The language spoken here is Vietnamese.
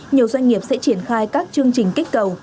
nhiều doanh nghiệp sẽ triển khai các chương trình kích cầu